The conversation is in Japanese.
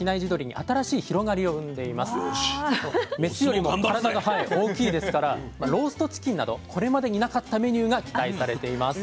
メスよりも体が大きいですからローストチキンなどこれまでになかったメニューが期待されています。